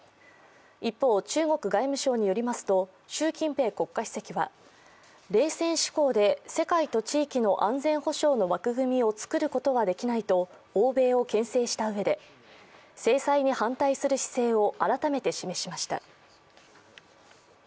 一方、中国外務省によりますと習近平国家主席は冷戦思考で世界と地域の安全保障の枠組みを作ることはできないと欧米をけん制したうえで制裁に反対する姿勢を改めて示しました。